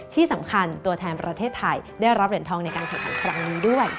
ที่สำคัญตัวแทนประเทศไทยได้รับเหรียญทองในการแข่งขันครั้งนี้ด้วย